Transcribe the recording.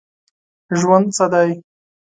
ژوند څه دی ؟